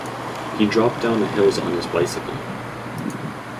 He dropped down the hills on his bicycle.